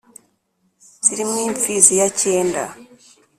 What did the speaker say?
zíri mw'imfizi ya cyéndá